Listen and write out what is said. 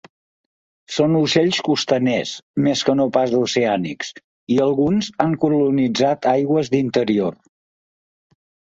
Són ocells costaners, més que no pas oceànics, i alguns han colonitzat aigües d'interior.